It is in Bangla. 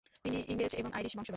তিনি ইংরেজ এবং আইরিশ বংশধর।